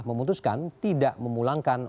memutuskan tidak memulangkan